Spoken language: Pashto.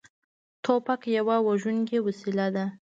توپک یوه وژونکې وسلې ده.